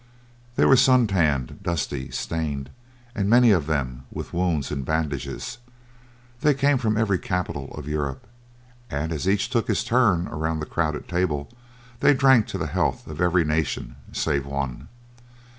They were sun tanned, dusty, stained, and many of them with wounds in bandages. They came from every capital of Europe, and as each took his turn around the crowded table, they drank to the health of every nation, save one.